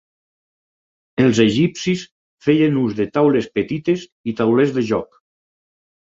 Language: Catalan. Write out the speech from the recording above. Els egipcis feien ús de taules petites i taulers de joc.